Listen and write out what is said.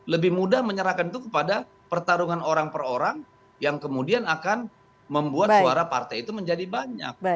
lebih mudah menyerahkan itu kepada pertarungan orang per orang yang kemudian akan membuat suara partai itu menjadi banyak